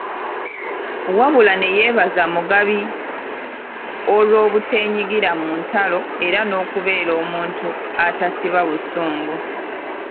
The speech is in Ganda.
Wabula ne yeebaza Mugabi olw'obuteenyigira mu ntalo era n'okubeera omuntu atasiba busungu.